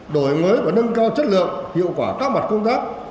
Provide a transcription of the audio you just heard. đổi mới và nâng cao chất lượng hiệu quả các mặt công tác